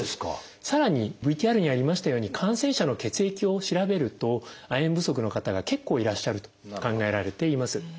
さらにＶＴＲにありましたように感染者の血液を調べると亜鉛不足の方が結構いらっしゃると考えられています。